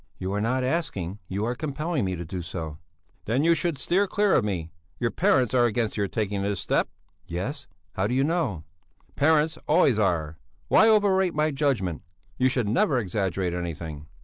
"You are not asking, you are compelling me to do so." "Then you should steer clear of me. Your parents are against your taking this step?" "Yes! How do you know?" "Parents always are. Why overrate my judgment? You should never exaggerate anything."